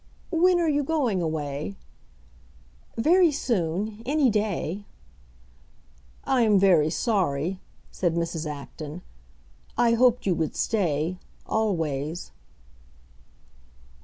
"When are you going away?" "Very soon—any day." "I am very sorry," said Mrs. Acton. "I hoped you would stay—always."